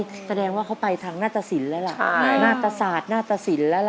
แสดงว่าเขาไปทางหน้าตะสินแล้วล่ะหน้าตศาสตร์หน้าตะสินแล้วล่ะ